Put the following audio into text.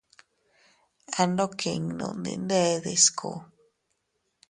Andokinnun dindede sku.